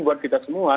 buat kita semua